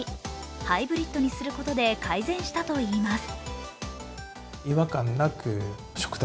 ハイブリッドにすることで改善したといいます。